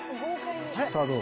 さぁどう？